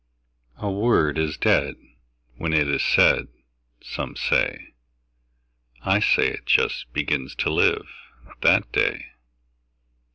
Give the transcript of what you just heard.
A word is dead When it is said, Some say. I say it just Begins to live That day.